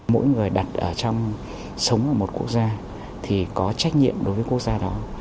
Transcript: mỗi người đặt ở trong sống ở một quốc gia thì có trách nhiệm đối với quốc gia đó